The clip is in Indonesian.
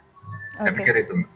saya pikir itu